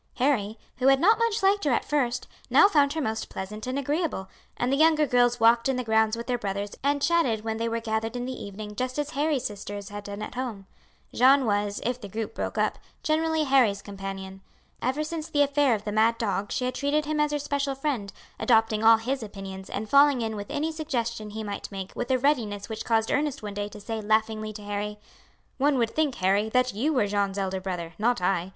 Harry, who had not much liked her at first, now found her most pleasant and agreeable, and the younger girls walked in the grounds with their brothers and chatted when they were gathered in the evening just as Harry's sisters had done at home. Jeanne was, if the group broke up, generally Harry's companion. Ever since the affair of the mad dog she had treated him as her special friend, adopting all his opinions and falling in with any suggestion he might make with a readiness which caused Ernest one day to say laughingly to Harry: "One would think, Harry that you were Jeanne's elder brother, not I.